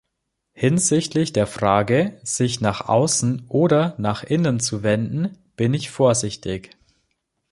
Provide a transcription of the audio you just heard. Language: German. Hinsichtlich der Frage, sich nach außen oder nach innen zu wenden, bin ich vorsichtig.